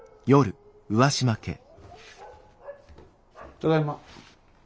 ただいま。